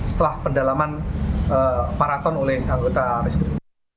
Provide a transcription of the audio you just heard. setelah pendalaman paraton oleh anggota restri